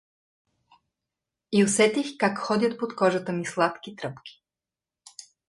И усетих как ходят под кожата ми сладки тръпки.